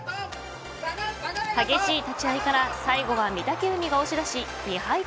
激しい立ち合いから最後は御嶽海が押し出し２敗